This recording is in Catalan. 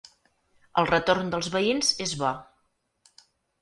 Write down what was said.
El retorn dels veïns és bo.